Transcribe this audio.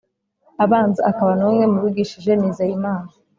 abanza akaba n’umwe mubigishije nizeyimana